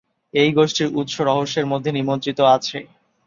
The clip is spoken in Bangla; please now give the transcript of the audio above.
এই গোষ্ঠীর উৎস রহস্যের মধ্যে নিমজ্জিত আছে।